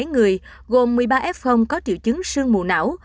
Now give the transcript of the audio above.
một mươi bảy người gồm một mươi ba f có triệu chứng sườn mù não